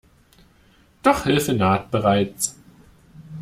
Doch Hilfe naht bereits.